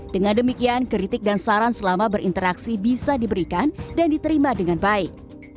dengan demikian kritik dan saran selama berinteraksi bisa diberikan dan diterima dengan baik